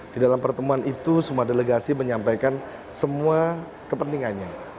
di dalam pertemuan itu semua delegasi menyampaikan semua kepentingannya